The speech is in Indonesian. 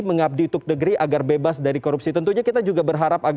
mengabdi tukdegri agar bebas dari korupsi tentunya kita juga berharap agar apa yang